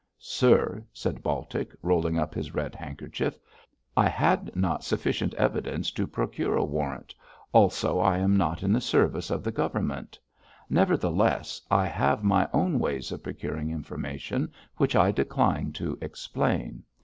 'Sir,' said Baltic, rolling up his red handkerchief, 'I had not sufficient evidence to procure a warrant, also I am not in the service of the Government, nevertheless, I have my own ways of procuring information, which I decline to explain.